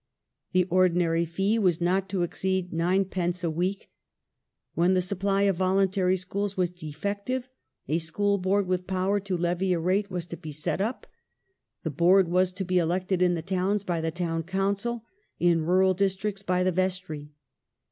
The ordinaiy fee was not to exceed 9d. a week. When the supply of voluntary schools was defective a School Board, with power to levy a rate, was to be set up ; the Board was to be elected in the towns by the Town Council, in rural districts by the Vestry.